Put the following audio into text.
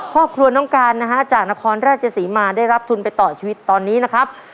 ครอบครัวน้องการนะฮะจากนครราชศรีมาได้รับทุนไปต่อชีวิตตอนนี้นะครับ